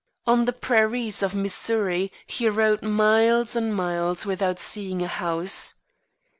On the prairies of Missouri he rode miles and miles without seeing a house.